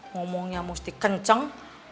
ngomongnya mesti kenceng